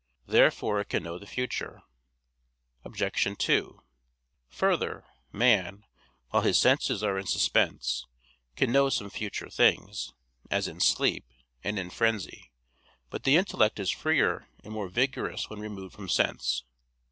Therefore it can know the future. Obj. 2: Further, man, while his senses are in suspense, can know some future things, as in sleep, and in frenzy. But the intellect is freer and more vigorous when removed from sense.